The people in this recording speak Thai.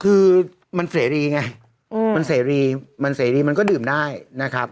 คือมันเสรีไงมันเสรีมันเสรีมันก็ดื่มได้นะครับ